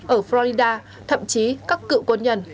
ở florida thậm chí các cựu quân nhân